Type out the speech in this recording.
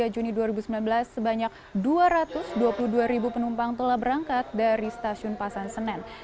dua puluh juni dua ribu sembilan belas sebanyak dua ratus dua puluh dua ribu penumpang telah berangkat dari stasiun pasar senen